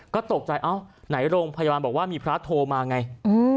ก็ตกใจเอ้าไหนโรงพยาบาลบอกว่ามีพระโทรมาไง